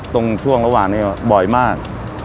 ช่วงระหว่างนี้บ่อยมาก